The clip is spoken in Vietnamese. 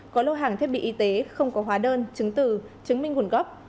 có lô hàng thiết bị y tế không có hóa đơn chứng từ chứng minh nguồn gốc